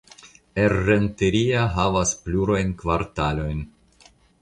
Errenteria havas plurajn kvartalojn.